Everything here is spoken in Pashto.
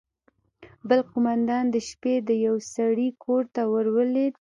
بل قومندان د شپې د يوه سړي کور ته ورولوېد.